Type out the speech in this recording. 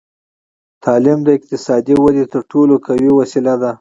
تعلیم د اقتصادي ودې تر ټولو قوي وسیله ده.